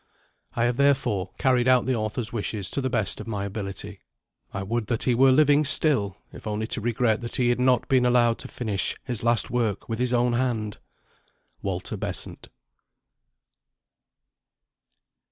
I have therefore carried out the author's wishes to the best of my ability. I would that he were living still, if only to regret that he had not been allowed to finish his last work with his own hand! WALTER BESANT.